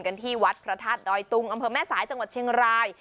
ที่วัดพระธาตุดอยตุงอำเภอแม่สายจังหวัดเชียงราย